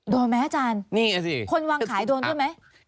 โดนมั้ยอาจารย์คนวางขายโดนด้วยมั้ยนี่แหละสิ